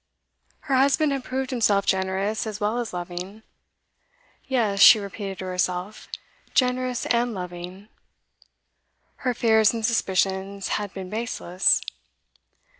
Her husband had proved himself generous as well as loving; yes, she repeated to herself, generous and loving; her fears and suspicions had been baseless.